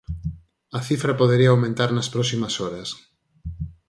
A cifra podería aumentar nas próximas horas.